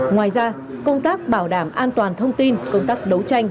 ngoài ra công tác bảo đảm an toàn thông tin công tác đấu tranh